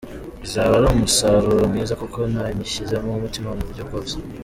Izaba ari umusaruro mwiza kuko nayishyizemo umutima mu buryo bwose.